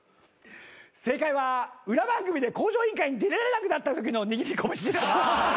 正解は裏番組で『向上委員会』に出られなくなったときの握り拳でした。